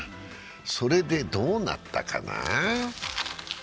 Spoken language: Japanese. それでどうなったかな？